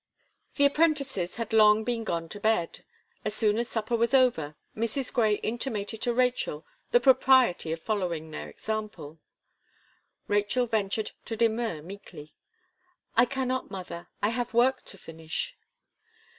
The apprentices had long been gone to bed; as soon as supper was over, Mrs. Gray intimated to Rachel the propriety of following their example. Rachel ventured to demur meekly. "I cannot, mother I have work to finish."